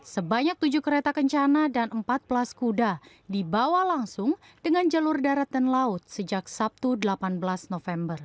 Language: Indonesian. sebanyak tujuh kereta kencana dan empat belas kuda dibawa langsung dengan jalur darat dan laut sejak sabtu delapan belas november